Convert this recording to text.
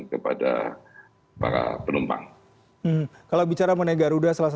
kepada para pelayanan